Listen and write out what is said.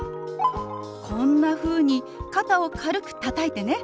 こんなふうに肩を軽くたたいてね。